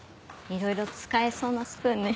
いろいろ使えそうなスプーンね。